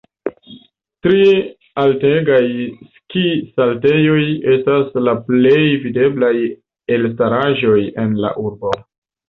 Tri altegaj ski-saltejoj estas la plej videblaj elstaraĵoj en la urbo.